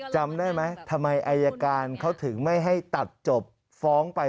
จำได้ไหมทำไมอายการเขาถึงไม่ให้ตัดจบฟ้องไป